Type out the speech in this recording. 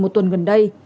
một tuần gần đây